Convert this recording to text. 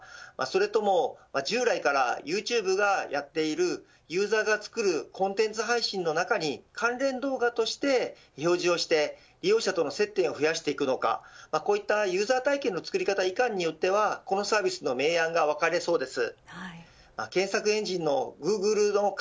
それとも従来からユーチューブがやっているユーザーが作るコンテンツ配信の中に関連動画として表示をして、利用者との接点を増やしていくのかこういったユーザー体験の作り方いかんによってはこのサービスの明暗が分かれそうです。